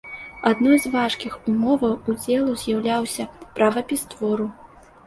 Адной з важкіх умоваў удзелу з'яўляўся правапіс твору.